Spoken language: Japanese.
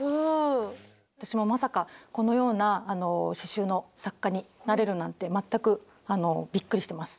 私もまさかこのような刺しゅうの作家になれるなんて全くびっくりしてます。